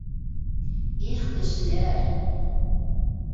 Их, кешеләр!..